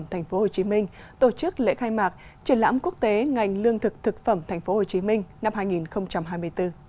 thành phố hồ chí minh tổ chức lễ khai mạc triển lãm quốc tế ngành lương thực thực phẩm thành phố hồ chí minh năm hai nghìn hai mươi bốn